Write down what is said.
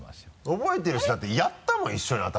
覚えてるしだってやったもん一緒に私。